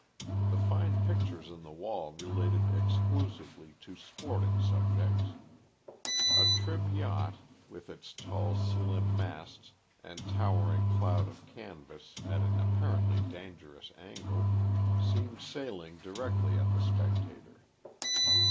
The fine pictures on the wall related exclusively to sporting subjects. A trim yacht, with its tall, slim masts and towering cloud of canvas at an apparently dangerous angle, seemed sailing directly at the spectator.